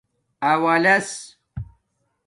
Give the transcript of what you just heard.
اولس